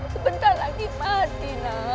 sebentar lagi mati